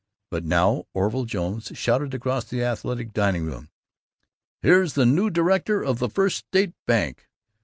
But now Orville Jones shouted across the Athletic dining room, "Here's the new director of the First State Bank!"